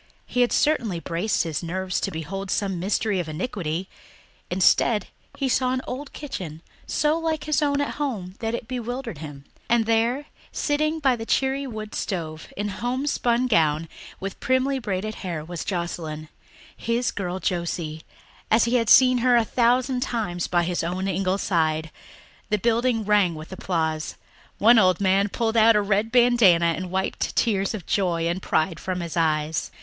He had certainly braced his nerves to behold some mystery of iniquity; instead he saw an old kitchen so like his own at home that it bewildered him; and there, sitting by the cheery wood stove, in homespun gown, with primly braided hair, was Joscelyn his girl Josie, as he had seen her a thousand times by his own ingle side. The building rang with applause; one old man pulled out a red bandanna and wiped tears of joy and pride from his eyes.